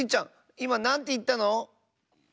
いまなんていったの？